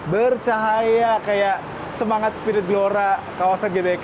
di sini ada semangat dan spirit yang menarik di kawasan gbk